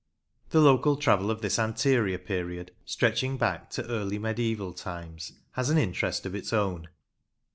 The local travel of this anterior period, stretching back to early medieeval times, has an interest of its own.